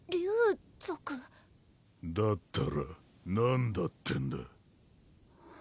だったら何だってんだ？